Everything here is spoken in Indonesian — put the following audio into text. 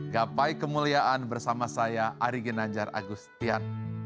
gapai kemuliaan bersama saya ari ginanjar agustian